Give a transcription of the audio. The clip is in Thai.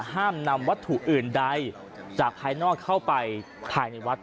ห้ามนำวัตถุอื่นใดจากภายนอกเข้าไปภายในวัด